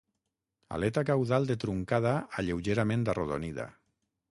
Aleta caudal de truncada a lleugerament arrodonida.